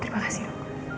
terima kasih dok